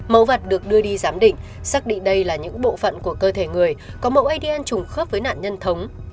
mẫu vật được đưa đi giám định xác định đây là những bộ phận của cơ thể người có mẫu adn trùng khớp với nạn nhân thống